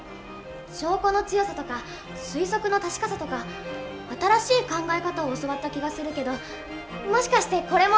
証拠の強さとか推測の確かさとか新しい考え方を教わった気がするけどもしかしてこれも。